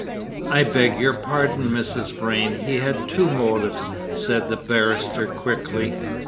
"I beg your pardon, Mrs. Vrain, he had two motives," said the barrister quickly.